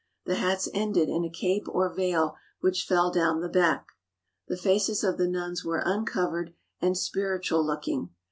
The hats ended in a cape or veil which fell down the back. The faces of the nuns were uncovered and spiritual looking.